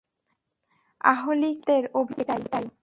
আহলি কিতাবদের অভিমতও এটাই।